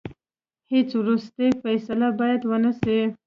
هیڅ وروستۍ فیصله باید ونه سي.